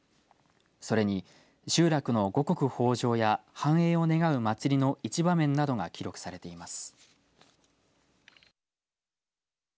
それに集落の五穀豊じょうや繁栄を願う祭りの一場面などが記録されています。